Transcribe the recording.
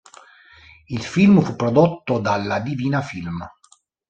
Il film fu prodotto dalla Divina-Film.